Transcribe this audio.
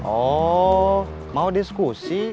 oh mau diskusi